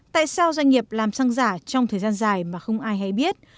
tại sao doanh nghiệp làm xăng giả trong thời gian dài mà không ai hay biết